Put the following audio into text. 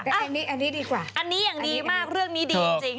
อันนี้ดีกว่าอันนี้อย่างดีมากเรื่องนี้ดีจริง